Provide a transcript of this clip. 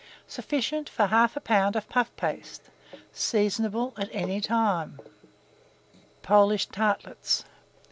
Sufficient for 1/2 lb. of puff paste. Seasonable at any time. POLISH TARTLETS.